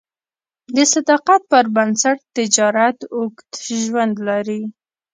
د صداقت پر بنسټ تجارت اوږد ژوند لري.